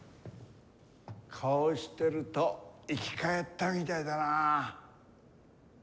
こうしてると生きかえったみたいだなあ。